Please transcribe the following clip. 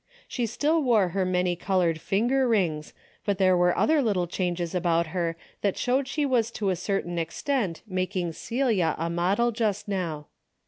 She still wore her many colored finger rings, but there were other little changes about her that showed she was to a certain ex tent making Celia a model just now.